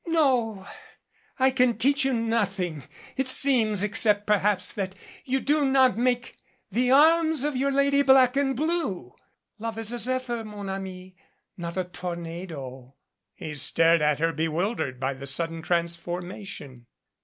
"No, I can teach you nothing, it seems, except, per haps, that you should not make the arms of your lady black and blue. Love is a zephyr, mon ami, not a tor nado." He stared at her, bewildered by the sudden transfor mation.